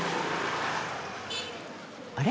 あれ？